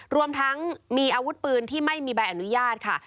รวมทั้งมีอาวุธปืนที่ไม่มีใบอนุญาตค่ะ